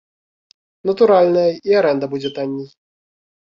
Натуральна, і арэнда будзе танней.